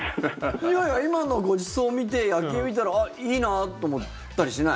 いやいや今のごちそう見て夜景見たらあっ、いいなと思ったりしない？